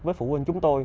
với phụ huynh chúng tôi